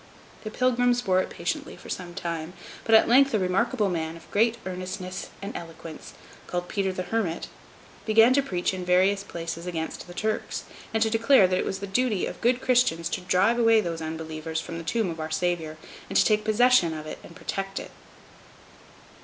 The Pilgrims bore it patiently for some time, but at length a remarkable man, of great earnestness and eloquence, called Peter the Hermit, began to preach in various places against the Turks, and to declare that it was the duty of good Christians to drive away those unbelievers from the tomb of Our Saviour, and to take possession of it, and protect it.